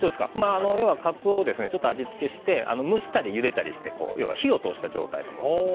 要はカツオをちょっと味付けして蒸したりゆでたりして要は火を通した状態のものです。